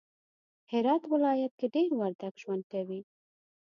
هرات ولایت کی دیر وردگ ژوند کوی